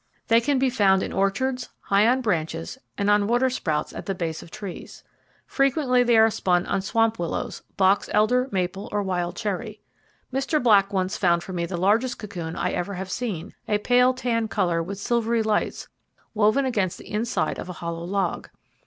They can be found in orchards, high on branches, and on water sprouts at the base of trees. Frequently they are spun on swamp willows, box elder, maple, or wild cherry. Mr. Black once found for me the largest cocoon I ever have seen; a pale tan colour with silvery lights, woven against the inside of a hollow log.